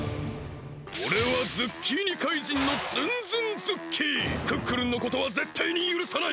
おれはズッキーニ怪人のクックルンのことはぜったいにゆるさない！